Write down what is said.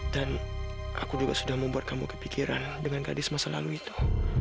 dan aku juga sudah membuat kamu kepikiran dengan gadis masa lalu itu